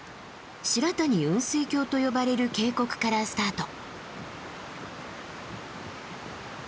白谷雲水峡と呼ばれる渓谷からスタート。